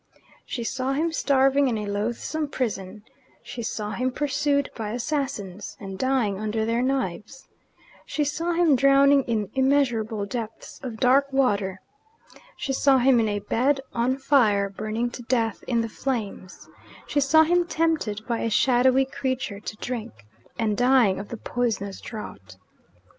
She saw him starving in a loathsome prison; she saw him pursued by assassins, and dying under their knives; she saw him drowning in immeasurable depths of dark water; she saw him in a bed on fire, burning to death in the flames; she saw him tempted by a shadowy creature to drink, and dying of the poisonous draught.